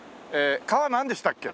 川なんでしたっけ？